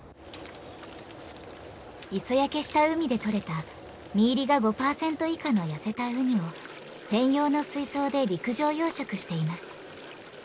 磯焼けした海で取れた身入りが５パーセント以下の痩せたウニを専用の水槽で陸上養殖しています。